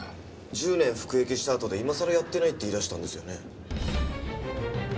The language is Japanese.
１０年服役したあとで今さらやってないって言い出したんですよね。